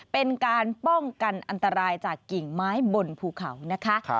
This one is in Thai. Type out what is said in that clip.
เป็นการป้องกันอันตรายจากกิ่งไม้บนภูเขานะคะ